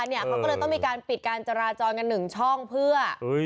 เขาก็เลยต้องมีการปิดการจราจรกันหนึ่งช่องเพื่อ